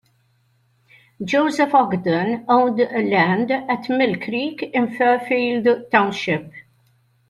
Joseph Ogden owned land at Mill Creek in Fairfield Township.